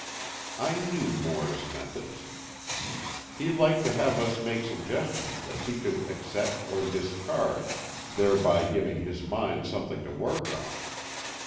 I knew Moore's methods. He liked to have us make suggestions that he could accept or discard, thereby giving his mind something to work on.